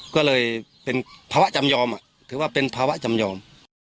ก็เลยเป็นภาวะจำยอมถือว่าเป็นภาวะจำยอม